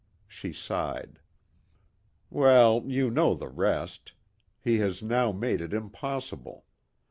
She sighed. "Well, you know the rest. He has now made it impossible.